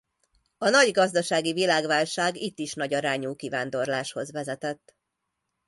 A nagy gazdasági világválság itt is nagyarányú kivándorláshoz vezetett.